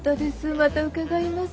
また伺います。